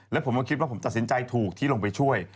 แล้วผมก็คิดว่าผมตัดสินใจถูกที่ลงไปช่วย